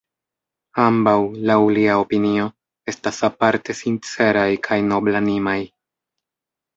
Ambaŭ, laŭ lia opinio, estas aparte sinceraj kaj noblanimaj.